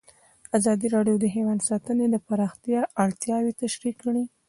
ازادي راډیو د حیوان ساتنه د پراختیا اړتیاوې تشریح کړي.